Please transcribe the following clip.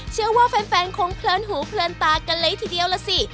เชื่อว่าแฟนคงเพลินหูเพลินตากันเลยทีเดียวล่ะสิ